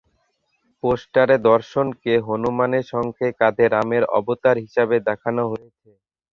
পোস্টারে দর্শনকে হনুমানের সঙ্গে কাঁধে রামের অবতার হিসেবে দেখানো হয়েছে।